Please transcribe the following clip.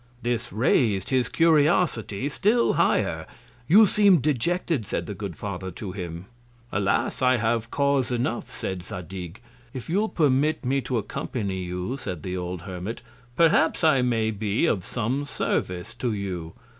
This rais'd his Curiosity still higher. You seem dejected, said the good Father to him. Alas! I have Cause enough, said Zadig. If you'll permit me to accompany you, said the old Hermit, perhaps I may be of some Service to you.